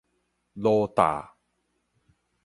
蘆趵